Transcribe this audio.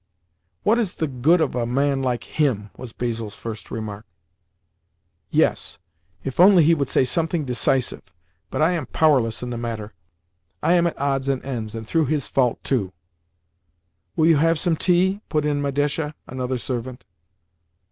"What is the good of a man like him?" was Basil's first remark. "Yes. If only he would say something decisive! But I am powerless in the matter—I am all at odds and ends, and through his fault, too." "Will you have some tea?" put in Madesha (another servant).